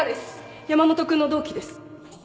山本君の同期です